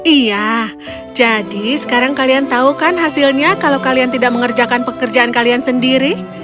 iya jadi sekarang kalian tahu kan hasilnya kalau kalian tidak mengerjakan pekerjaan kalian sendiri